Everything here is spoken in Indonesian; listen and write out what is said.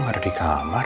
kok ga ada di kamar